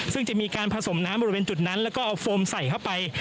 ซึ่งจะมีการผสมน้ำบริเวณจุดนั้นแล้วก็เอาโฟมใส่เข้าไป